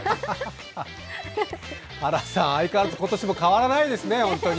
原さん、相変わらず今年も変わらないですね、本当に。